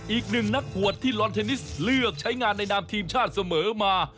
อีกหนึ่งนักบวชที่ลอนเทนนิสเลือกใช้งานในนามทีมชาติเสมอมา